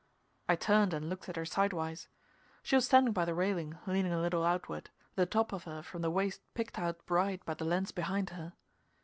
I turned and looked at her sidewise. She was standing by the railing, leaning a little outward, the top of her from the waist picked out bright by the lens behind her.